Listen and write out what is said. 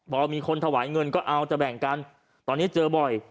พอมีคนถวายเงินก็เอาจะแบ่งกันตอนนี้เจอบ่อย